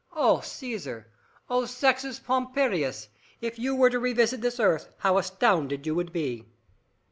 "O Caesar! O Sextus Pompeius, if you were to revisit this earth how astounded you would be!"